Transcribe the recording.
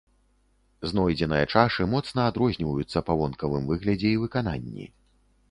Знойдзеныя чашы моцна адрозніваюцца па вонкавым выглядзе і выкананні.